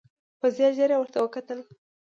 په ځير ځير يې ورته وکتل.